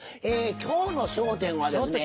今日の『笑点』はですね。